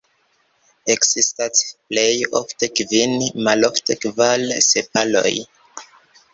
Ekzistas plej ofte kvin, malofte kvar sepaloj.